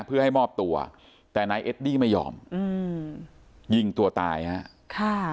เพื่อให้มอบตัวแต่นายเอดดี้ไม่ยอมอืมยิงตัวตายฮะค่ะ